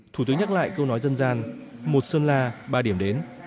thủ tướng nhắc lại câu nói dân gian một sơn la ba điểm đến